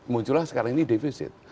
munculah sekarang ini defisit